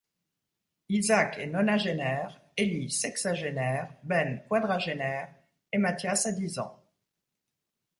Isaac est nonagénaire, Élie sexagénaire, Ben quadragénaire et Mathias a dix ans.